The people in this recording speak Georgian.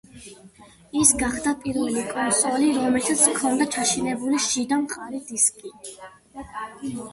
ის გახდა პირველი კონსოლი, რომელსაც ჰქონდა ჩაშენებული შიდა მყარი დისკი.